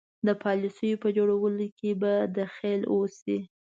د پالیسیو په جوړولو کې به دخیل اوسي.